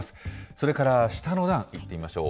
それから下の段見てみましょう。